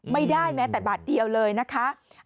ไม่ได้แม้แต่บาทเดียวเลยนะคะ